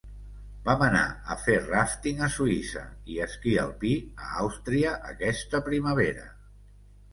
Vam anar a fer ràfting a Suïssa i esquí alpí a Àustria aquesta primavera.